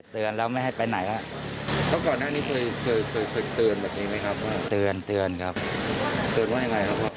เตือนแล้วไม่ให้ไปไหนแล้วเตือนเตือนครับเตือนว่าไงครับ